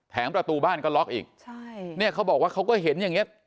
ประตูบ้านก็ล็อกอีกใช่เนี่ยเขาบอกว่าเขาก็เห็นอย่างเงี้